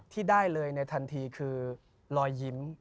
ที่ได้เลยในทันทีคือรอยยิ้ม